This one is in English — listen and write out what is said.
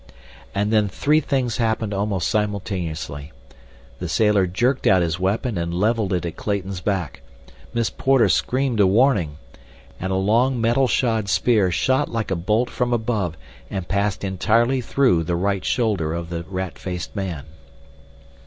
And then three things happened almost simultaneously. The sailor jerked out his weapon and leveled it at Clayton's back, Miss Porter screamed a warning, and a long, metal shod spear shot like a bolt from above and passed entirely through the right shoulder of the rat faced man.